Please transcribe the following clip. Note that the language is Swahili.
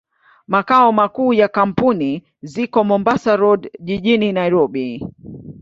Makao makuu ya kampuni ziko Mombasa Road, jijini Nairobi.